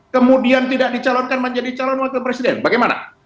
kemudian tidak dicalonkan menjadi calon wakil presiden bagaimana